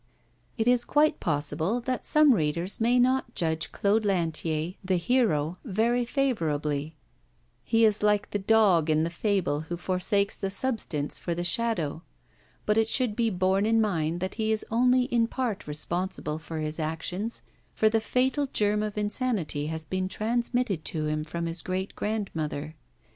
It is quite possible that some readers may not judge Claude Lantier, the 'hero,' very favourably; he is like the dog in the fable who forsakes the substance for the shadow; but it should be borne in mind that he is only in part responsible for his actions, for the fatal germ of insanity has been transmitted to him from his great grandmother.